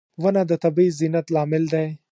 • ونه د طبیعي زینت لامل دی.